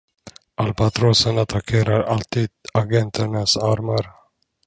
Albatrossen attackerar alltid agenternas armar.